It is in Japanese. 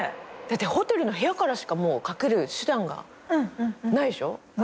ホテルの部屋からしかもうかける手段がないでしょ。